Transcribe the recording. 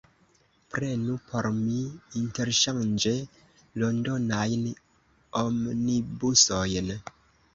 Prenu por mi, interŝanĝe, Londonajn Omnibusojn.